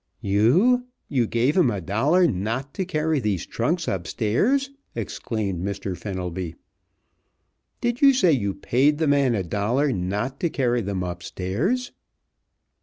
"You you gave him a dollar not to carry these trunks upstairs!" exclaimed Mr. Fenelby. "Did you say you paid the man a dollar not to carry them upstairs?"